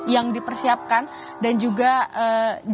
yang dipersiapkan dan juga jarak antara kamar menuju ke jamaah ini